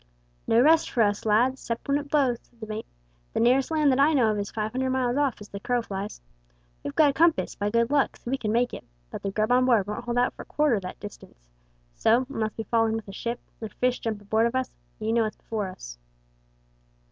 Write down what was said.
"No rest for us, lads, 'cept when it blows," said the mate. "The nearest land that I know of is five hundred miles off as the crow flies. We've got a compass by good luck, so we can make for it, but the grub on board won't hold out for quarter o' that distance, so, unless we fall in with a ship, or fish jump aboard of us, ye know what's before us."